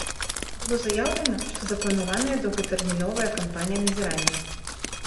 Было заяўлена, што запланаваная доўгатэрміновая кампанія назірання.